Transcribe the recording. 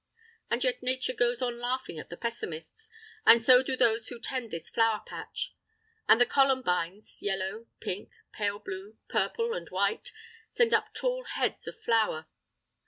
And yet Nature goes on laughing at the pessimists, and so do those who tend this flower patch. And the columbines, yellow, pink, pale blue, purple, and white, send up tall heads of flower.